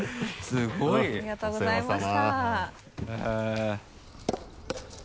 すごい。ありがとうございました。